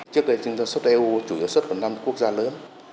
trước đây chúng ta xuất eu chủ yếu xuất vào năm quốc gia lớn